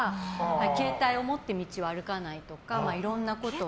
携帯を持って道を歩かないとかいろんなことは。